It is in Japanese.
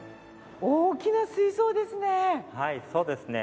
大きな水槽ですね。